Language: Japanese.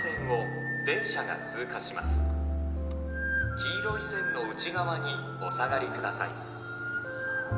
黄色い線の内側にお下がり下さい。